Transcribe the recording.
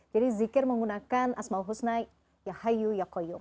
jadi zikir menggunakan asma'ul husna yahayu yaqoyum